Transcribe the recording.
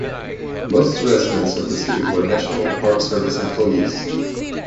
Most residents of the city were National Park Service employees.